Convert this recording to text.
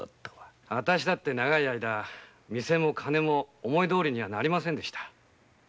わたしとて長い間店も金も思いどおりになりませんでした。